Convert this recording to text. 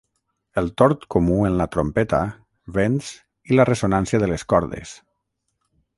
El tord comú en la trompeta, vents, i la ressonància de les cordes.